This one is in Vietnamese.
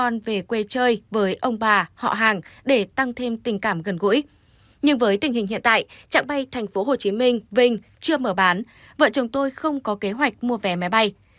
nhưng với tình cảm hiện tại trạng bay tp hcm vinh chưa mở bán vợ chồng tôi không có kế hoạch mua vé máy bay